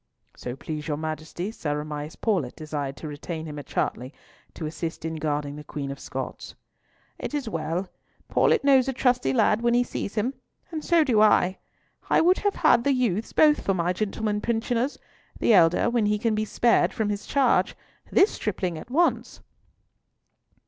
"So please your Majesty, Sir Amias Paulett desired to retain him at Chartley to assist in guarding the Queen of Scots." "It is well. Paulett knows a trusty lad when he sees him. And so do I. I would have the youths both for my gentlemen pensioners—the elder when he can be spared from his charge, this stripling at once."